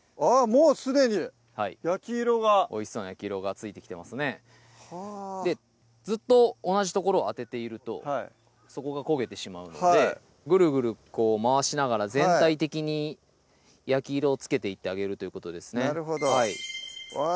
もうすでに焼き色がおいしそうな焼き色がついてきてますねずっと同じ所を当てているとそこが焦げてしまうのでぐるぐるこう回しながら全体的に焼き色をつけていってあげるということですねうわ